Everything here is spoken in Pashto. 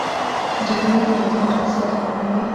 جګړه د وطن اقتصاد ختموي